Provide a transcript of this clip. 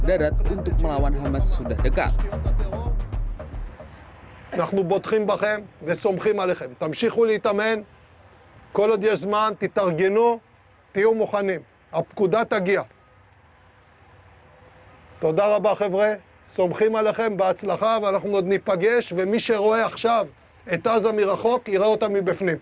dadat untuk melawan hamas sudah dekat yang membutuhkan bahan besok khemam